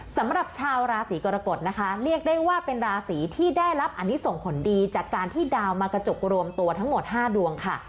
สำหรับชาวราศีกรกฎนะคะเรียกได้ว่าเป็นราศีที่ได้รับอันนี้ส่งผลดีจากการที่ดาวมากระจุกรวมตัวทั้งหมด๕ดวงค่ะ